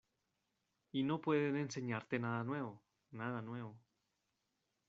Y no pueden enseñarte nada nuevo, nada nuevo.